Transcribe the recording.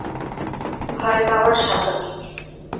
ভয় পাওয়ার স্বাভাবিক।